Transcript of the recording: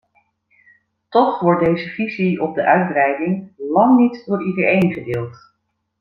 Toch wordt deze visie op de uitbreiding lang niet door iedereen gedeeld.